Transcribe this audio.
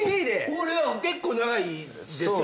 俺は結構長いですよね。